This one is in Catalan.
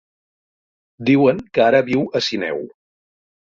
Diuen que ara viu a Sineu.